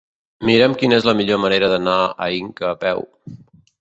Mira'm quina és la millor manera d'anar a Inca a peu.